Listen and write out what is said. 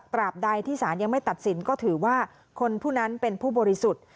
บใดที่สารยังไม่ตัดสินก็ถือว่าคนผู้นั้นเป็นผู้บริสุทธิ์